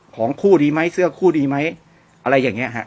ของคู่ดีไหมเสื้อคู่ดีไหมอะไรอย่างนี้ฮะ